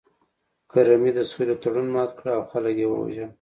کرمي د سولې تړون مات کړ او خلک یې ووژل